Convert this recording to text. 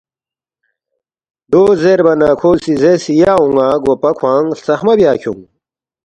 دو زیربا نہ کھو سی زیرس، ”یا اون٘ا گوپا کھوانگ ہلژخمہ بیا کھیونگ